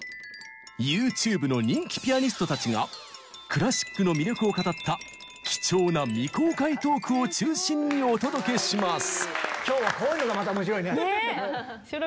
ＹｏｕＴｕｂｅの人気ピアニストたちがクラシックの魅力を語った貴重な未公開トークを中心にお届けします。